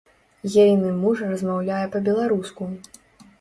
Ейны муж размаўляе па-беларуску.